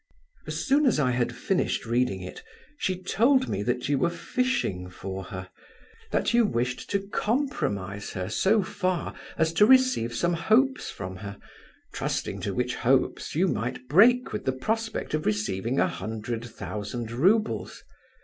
"As soon as I had finished reading it, she told me that you were fishing for her; that you wished to compromise her so far as to receive some hopes from her, trusting to which hopes you might break with the prospect of receiving a hundred thousand roubles.